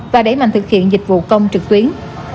và đẩy mạnh thực hiện dịch vụ công trực tuyến